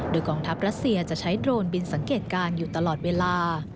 โดยกองทัพรัสเซียจะใช้โดรนบินสังเกตการณ์อยู่ตลอดเวลา